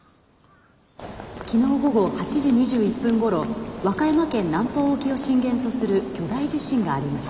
「昨日午後８時２１分ごろ和歌山県南方沖を震源とする巨大地震がありました。